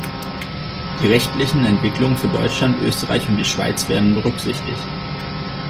Die rechtlichen Entwicklungen für Deutschland, Österreich und die Schweiz werden berücksichtigt.